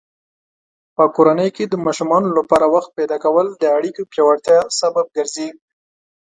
په کورنۍ کې د ماشومانو لپاره وخت پیدا کول د اړیکو پیاوړتیا سبب ګرځي.